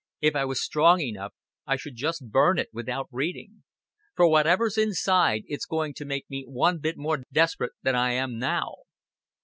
If I was strong enough, I should just burn it, without reading. For, whatever's inside, it's going to make me one bit more desp'rate than I am now."